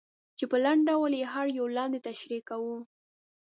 چې په لنډ ډول یې هر یو لاندې تشریح کوو.